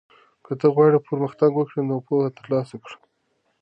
که ته غواړې پرمختګ وکړې نو پوهه ترلاسه کړه.